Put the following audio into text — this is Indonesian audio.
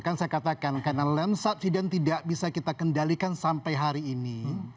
kan saya katakan karena land subsidence tidak bisa kita kendalikan sampai hari ini